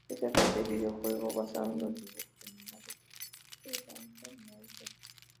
Es el tercer videojuego basado en los dibujos animados de Danger Mouse.